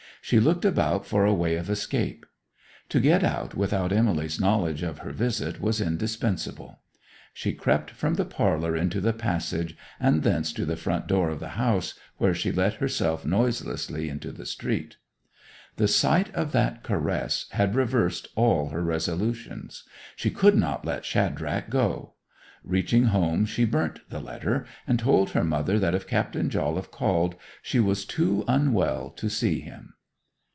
She looked about for a way of escape. To get out without Emily's knowledge of her visit was indispensable. She crept from the parlour into the passage, and thence to the front door of the house, where she let herself noiselessly into the street. The sight of that caress had reversed all her resolutions. She could not let Shadrach go. Reaching home she burnt the letter, and told her mother that if Captain Jolliffe called she was too unwell to see him.